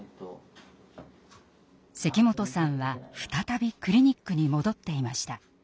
関本さんは再びクリニックに戻っていました。